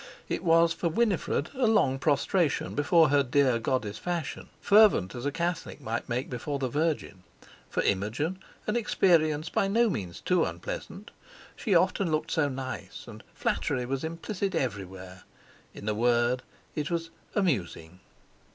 It was for Winifred a long prostration before her dear goddess Fashion, fervent as a Catholic might make before the Virgin; for Imogen an experience by no means too unpleasant—she often looked so nice, and flattery was implicit everywhere: in a word it was "amusing."